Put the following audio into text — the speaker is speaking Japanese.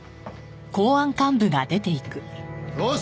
よし！